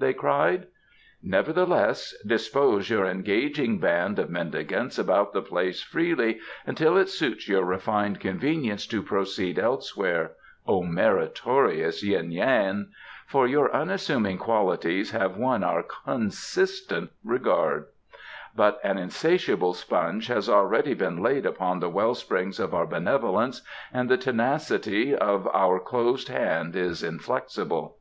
they cried. "Nevertheless, dispose your engaging band of mendicants about the place freely until it suits your refined convenience to proceed elsewhere, O meritorious Yuen Yan, for your unassuming qualities have won our consistent regard; but an insatiable sponge has already been laid upon the well spring of our benevolence and the tenacity of our closed hand is inflexible."